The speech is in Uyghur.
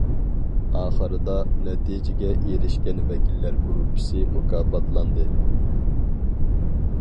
ئاخىرىدا، نەتىجىگە ئېرىشكەن ۋەكىللەر گۇرۇپپىسى مۇكاپاتلاندى.